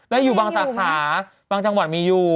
และอยู่บางสาขาบางจังหวัดมีอยู่